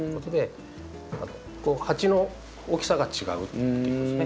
鉢の大きさが違うっていうことですね。